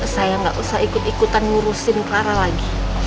saya nggak usah ikut ikutan ngurusin clara lagi